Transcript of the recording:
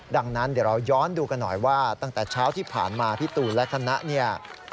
ดังนั้นเดี๋ยวเราย้อนดูกันหน่อยว่าตั้งแต่เช้าที่ผ่านมาพี่ตูนและคณะเนี่ย